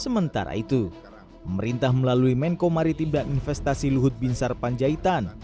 sementara itu pemerintah melalui menko maritim dan investasi luhut binsar panjaitan